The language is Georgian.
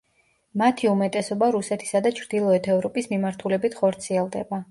მათი უმეტესობა რუსეთისა და ჩრდილოეთ ევროპის მიმართულებით ხორციელდება.